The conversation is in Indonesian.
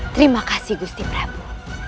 terima kasih gusti prabu